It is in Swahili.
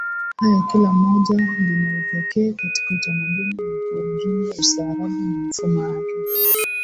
haya kila moja lina upekee katika Utamaduni na kwa ujumla ustaarabu na mifumo yake